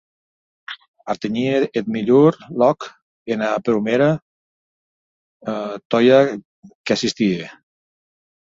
Artenhie eth milhor lòc ena prumèra tòia qu’assistie!